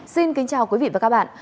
xin kính chào quý vị và các bạn